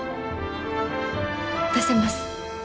出せます。